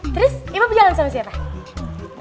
terus ibo berjalan sama siapa